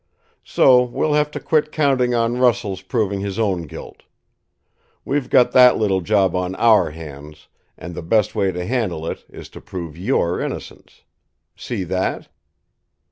So we'll have to quit counting on Russell's proving his own guilt. We've got that little job on our hands, and the best way to handle it is to prove your innocence. See that?"